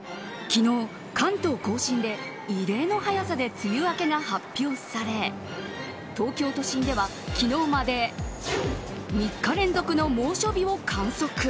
昨日、関東・甲信で異例の早さで梅雨明けが発表され東京都心では昨日まで３日連続の猛暑日を観測。